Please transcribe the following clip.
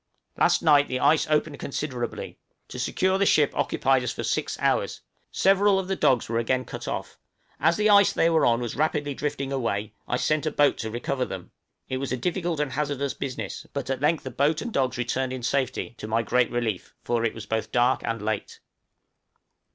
Last night the ice opened considerably; to secure the ship occupied us for six hours; several of the dogs were again cut off; as the ice they were on was rapidly drifting away, I sent a boat to recover them; it was a difficult and hazardous business, but at length the boat and dogs returned in safety, to my great relief, for it was both dark and late.